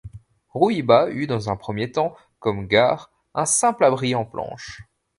Rouïba eut dans un premier temps comme gare un simple abri en planches.